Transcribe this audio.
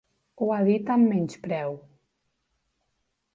Ho ha dit amb menyspreu.